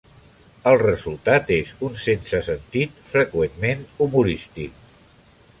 El resultat és un sense sentit, freqüentment humorístic.